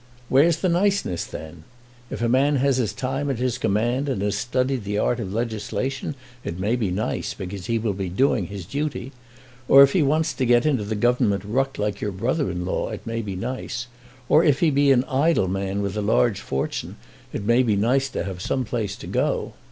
"Where's the niceness then? If a man has his time at his command and has studied the art of legislation it may be nice, because he will be doing his duty; or if he wants to get into the government ruck like your brother in law, it may be nice; or if he be an idle man with a large fortune it may be nice to have some place to go to.